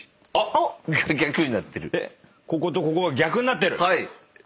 こことここが逆になってる？